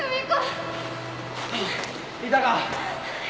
いたか？